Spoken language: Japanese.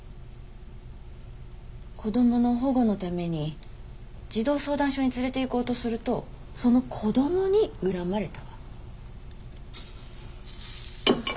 子供の保護のために児童相談所に連れていこうとするとその子供に恨まれたわ。